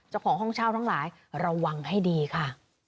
เจ้าของห้องเช่าทั้งหลายระวังให้ดีค่ะ